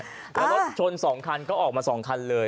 แล้วรถชน๒คันก็ออกมา๒คันเลย